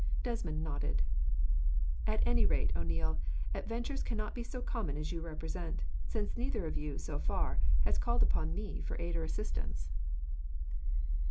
Desmond nodded. "At any rate, O'Neil, adventures cannot be so common as you represent, since neither of you, so far, has called upon me for aid or assistance."